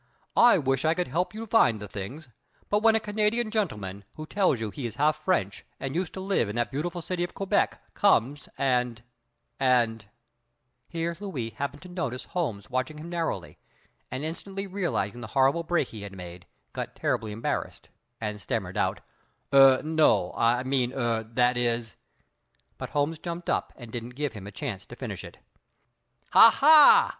I wish I could help you find the things; but when a Canadian gentleman who tells you he is half French, and used to live in that beautiful city of Quebec, comes and and " Here Louis happened to notice Holmes watching him narrowly, and instantly realizing the horrible break he had made, got terribly embarrassed, and stammered out: "Er, no, I mean, er that is " But Holmes jumped up and didn't give him a chance to finish it. "Ha, ha!